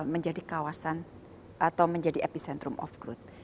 menjadi kawasan atau menjadi epicentrum of growth